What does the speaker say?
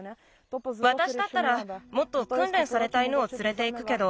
わたしだったらもっとくんれんされた犬をつれていくけど。